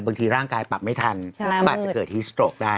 บางทีร่างกายปรับไม่ทันก็อาจจะเกิดฮีสโตรกได้